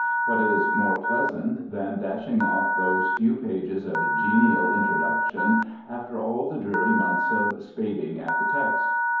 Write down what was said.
What is more pleasant than dashing off those few pages of genial introduction after all the dreary months of spading at the text?